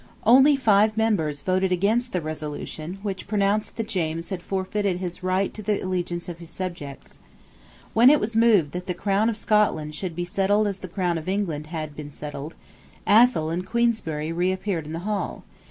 Only five members voted against the resolution which pronounced that James had forfeited his right to the allegiance of his subjects. When it was moved that the Crown of Scotland should be settled as the Crown of England had been settled, Athol and Queensberry reappeared in the hall.